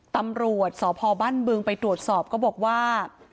ตำรวจสพบ้านบึงไปตรวจสอบก็บอกว่า